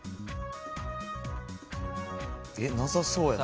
えっなさそうやな。